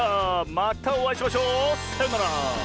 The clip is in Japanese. またおあいしましょう。さようなら。